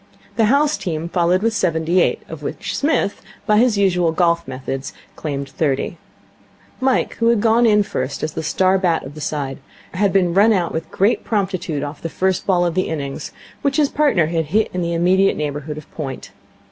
The house team followed with seventy eight, of which Psmith, by his usual golf methods, claimed thirty. Mike, who had gone in first as the star bat of the side, had been run out with great promptitude off the first ball of the innings, which his partner had hit in the immediate neighbourhood of point.